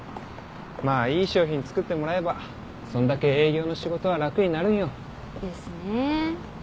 まあいい商品作ってもらえばそんだけ営業の仕事は楽になるんよ。ですね。